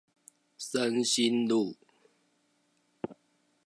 深興路